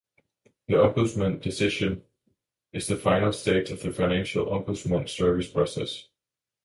An ombudsman's decision is the final stage of the Financial Ombudsman Service's process.